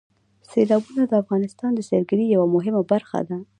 سیلابونه د افغانستان د سیلګرۍ یوه مهمه برخه ده.